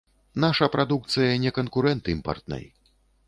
Наша прадукцыя не канкурэнт імпартнай.